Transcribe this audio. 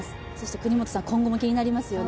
國本さん、今後も気になりますよね。